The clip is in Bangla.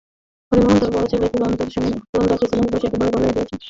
হরিমোহন তাঁর বড়ো ছেলে পুরন্দরকে স্নেহের রসে একেবারে গলাইয়া দিয়াছেন।